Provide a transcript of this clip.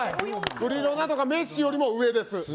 クリロナとかメッシよりも上です。